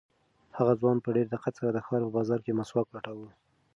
هغه ځوان په ډېر دقت سره د ښار په بازار کې مسواک لټاوه.